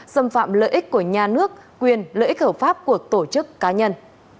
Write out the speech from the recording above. xâm phạm lợi ích của nhà nước quyền lợi ích hợp pháp của tổ chức cá nhân